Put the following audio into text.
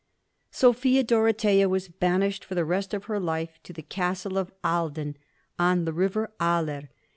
Sophia Dorothea was banished for the rest of her life to the Castie of Ahlden on the river Aller.